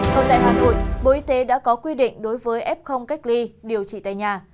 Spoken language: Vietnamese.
còn tại hà nội bộ y tế đã có quy định đối với f cách ly điều trị tại nhà